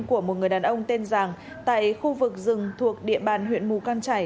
của một người đàn ông tên giàng tại khu vực rừng thuộc địa bàn huyện mù căng trải